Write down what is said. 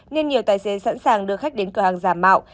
nên nhiều tài xế sẵn sàng đưa khách đến cửa hàng giả mạo